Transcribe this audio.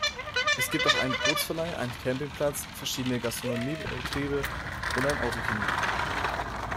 Es gibt auch einen Bootsverleih, einen Campingplatz, verschiedene Gastronomiebetriebe und ein Autokino.